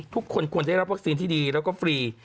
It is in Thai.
ทุกคนควรได้รับวัคซีนที่ดีแล้วก็ฟรี